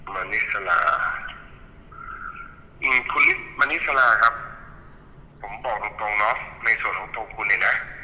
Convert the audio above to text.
มณิสลาอืมคุณมณิสลาครับผมบอกตรงตรงเนาะในส่วนของตัวคุณเนี่ยนะ